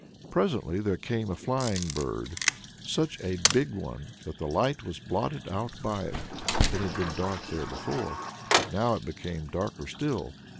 Presently there came flying a bird such a big one, that the light was blotted out by it. It had been dark there before, but now it became darker still.